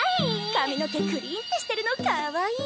髪の毛くりんってしてるのかわいい！